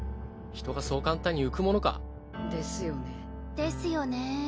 人がそう簡単に浮くものか。ですよね。ですよね。